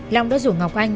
long đã rủ ngọc anh